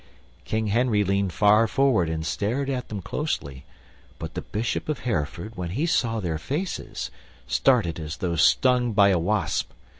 King Henry leaned far forward and stared at them closely, but the Bishop of Hereford, when he saw their faces, started as though stung by a wasp.